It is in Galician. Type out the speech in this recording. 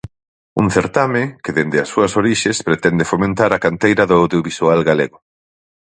Un certame que, dende as súas orixes, pretende fomentar a canteira do audiovisual galego.